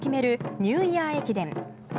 ニューイヤー駅伝。